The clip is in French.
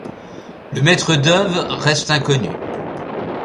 Le maître d'œuvre reste inconnu.